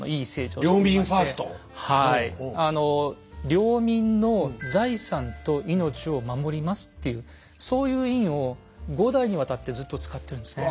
領民の財産と命を守りますっていうそういう印を５代にわたってずっと使ってるんですね。